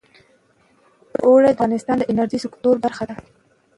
اوړي د افغانستان د انرژۍ سکتور برخه ده.